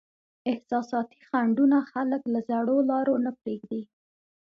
احساساتي خنډونه خلک له زړو لارو نه پرېږدي.